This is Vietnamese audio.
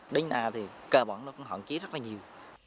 đến nay thì cơ bản nó cũng hạn chế rất là nhiều